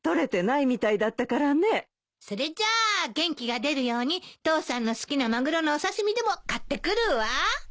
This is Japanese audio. それじゃあ元気が出るように父さんの好きなマグロのお刺し身でも買ってくるわ。